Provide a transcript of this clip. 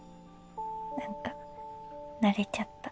なんか慣れちゃった。